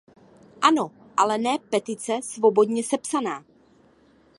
Ano, ale ne petice svobodně sepsaná.